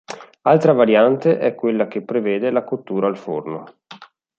Altra variante è quella che prevede la cottura al forno.